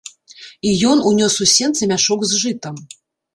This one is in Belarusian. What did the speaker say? І ён унёс у сенцы мяшок з жытам.